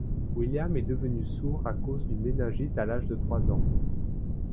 William est devenu sourd à cause d'une méningite à l'âge de trois ans.